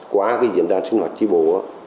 qua diễn đàn sinh hoạt tri bộ